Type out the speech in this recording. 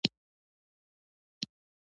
د رحمان بابا شعرونه